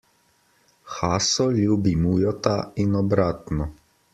Haso ljubi Mujota in obratno.